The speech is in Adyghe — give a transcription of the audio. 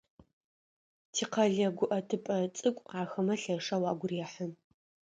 Тикъэлэ гуӏэтыпӏэ цӏыкӏу ахэмэ лъэшэу агу рехьы.